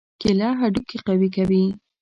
کېله هډوکي قوي کوي.